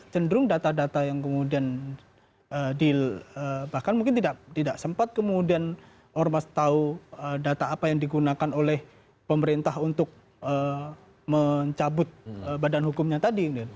cenderung data data yang kemudian deal bahkan mungkin tidak sempat kemudian ormas tahu data apa yang digunakan oleh pemerintah untuk mencabut badan hukumnya tadi